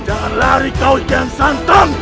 jangan lari kau ikaian santong